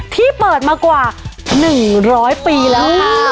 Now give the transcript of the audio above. ที่เปิดมากว่า๑๐๐ปีแล้วค่ะ